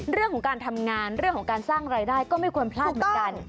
เรื่องของการทำงานเรื่องของการสร้างรายได้ก็ไม่ควรพลาดเหมือนกัน